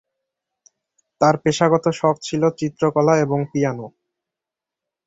তার পেশাগত শখ ছিল চিত্রকলা এবং পিয়ানো।